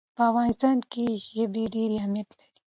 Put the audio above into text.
په افغانستان کې ژبې ډېر اهمیت لري.